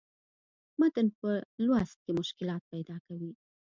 متن پۀ لوست کښې مشکلات پېدا کوي